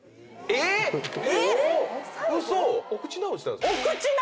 お口直しなんですか？